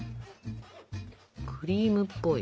クリームっぽい。